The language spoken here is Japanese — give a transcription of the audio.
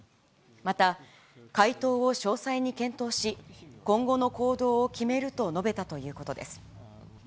また回答を詳細に検討し、今後の行動を決めると述べたということです。